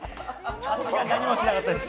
何もしなかったです。